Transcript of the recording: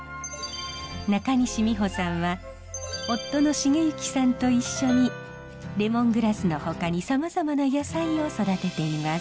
中西美保さんは夫の繁行さんと一緒にレモングラスのほかにさまざまな野菜を育てています。